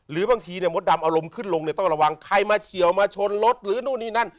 หรือบางทีเนี่ยมดดำอารมณ์ขึ้นลงเนี่ยต้องระวังใครมาเฉียวมาชนรถหรือนู่นนี่นั่น